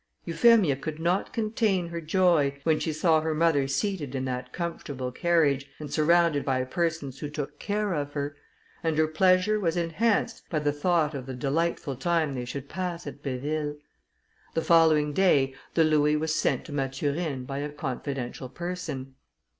Euphemia could not contain her joy when she saw her mother seated in that comfortable carriage, and surrounded by persons who took care of her; and her pleasure was enhanced by the thought of the delightful time they should pass at Béville. The following day the louis was sent to Mathurine by a confidential person.